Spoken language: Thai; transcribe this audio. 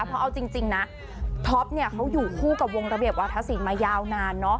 เพราะเอาจริงนะท็อปเนี่ยเขาอยู่คู่กับวงระเบียบวาธศิลปมายาวนาน